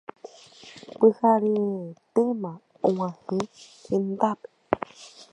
Pyharetéma ag̃uahẽ hendápe